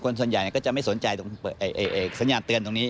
ส่วนใหญ่ก็จะไม่สนใจตรงสัญญาณเตือนตรงนี้